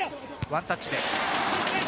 ワンタッチで。